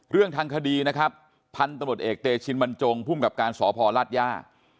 เรื่องทางคดีนะครับพันธุ์ตำรวจเอกเตชินบรรจงภูมิกับการสพลาดย่า